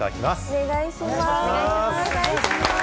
お願いします。